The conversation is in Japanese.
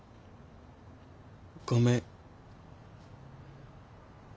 ごめん。